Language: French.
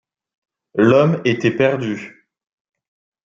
L’homme était perdu.